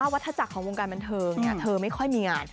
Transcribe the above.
วัดธจักรของวงการบรรเทอร์ไม่ค่อยมีงาน